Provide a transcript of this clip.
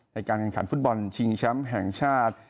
ในการกันขันฟุตบอลชิงช้ำแห่งชาติ